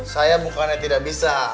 saya bukannya tidak bisa